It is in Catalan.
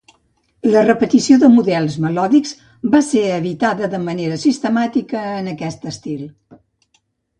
La repetició de models melòdics va ser evitada de manera sistemàtica en aquest estil.